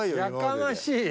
やかましい！